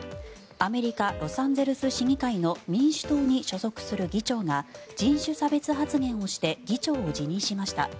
アメリカ・ロサンゼルス市議会の民主党に所属する議長が人種差別発言をして議長を辞任しました。